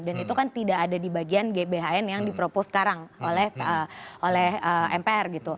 dan itu kan tidak ada di bagian gbhn yang dipropos sekarang oleh mpr